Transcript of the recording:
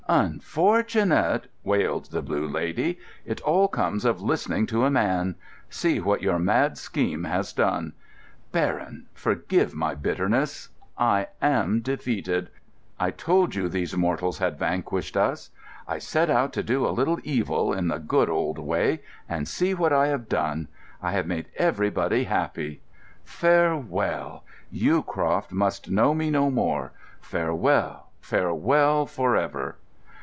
"Unfortunate!" wailed the Blue Lady. "It all comes of listening to a man. See what your mad scheme has done!... Baron, forgive my bitterness,—I am defeated. I told you these mortals had vanquished us. I set out to do a little evil, in the good old way, and see what I have done! I have made everybody happy! Farewell. Yewcroft must know me no more. Farewell, farewell for ever!"